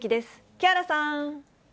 木原さん。